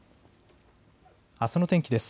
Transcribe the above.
あすの天気です。